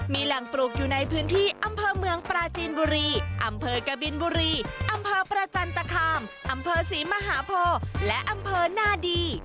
มีแหล่งปลูกอยู่ในพื้นที่อำเภอเมืองปราจีนบุรีอำเภอกบินบุรีอำเภอประจันตคามอำเภอศรีมหาโพและอำเภอนาดี